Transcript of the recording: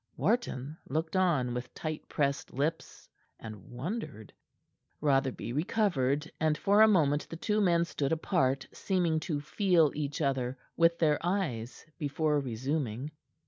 Wharton looked on with tight pressed lips, and wondered. Rotherby recovered, and for a moment the two men stood apart, seeming to feel each other with their eyes before resuming.